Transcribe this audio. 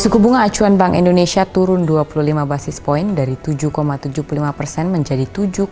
suku bunga acuan bank indonesia turun dua puluh lima basis point dari tujuh tujuh puluh lima persen menjadi tujuh lima